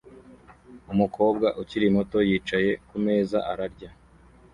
Umukobwa ukiri muto yicaye kumeza ararya